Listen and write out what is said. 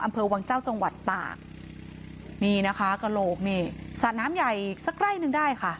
อำเภอวังเจ้าจังหวัดตากนี่นะคะกระโหลกนี่สระน้ำใหญ่สักไร่หนึ่งได้ค่ะ